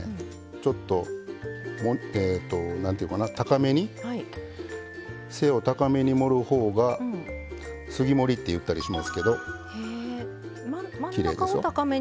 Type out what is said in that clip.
ちょっと何というかな高めに背を高めに盛るほうが杉盛りっていったりしますけど真ん中を高めに。